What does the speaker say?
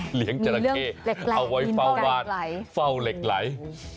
เลี้ยงจราเข้เอาไว้เฝ้าบ้านเฝ้าเหล็กไหล